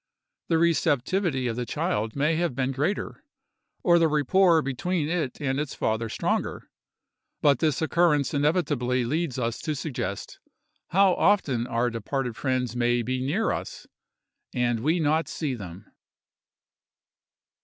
The receptivity of the child may have been greater, or the rapport between it and its father stronger; but this occurrence inevitably leads us to suggest, how often our departed friends may be near us, and we not see them!